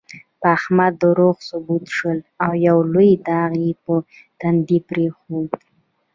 په احمد دروغ ثبوت شول، او یو لوی داغ یې په تندي پرېښود.